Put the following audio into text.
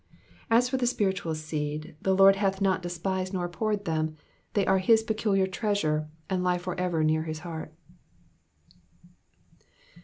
As for the spiritual seed, the Lord hath not despised nor abhorred them ; they are his peculiar treasure and lie for ever near his heart.